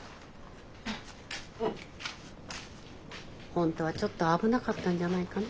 本当はちょっと危なかったんじゃないかな。